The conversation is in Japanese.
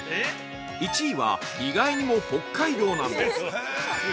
１位は意外にも北海道なんです。